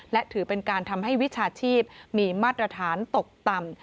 และถือเป็นการทำให้วิชาชีพมีมาตรฐานตกต่ำ